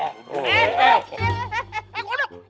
eh eh eh eh kodok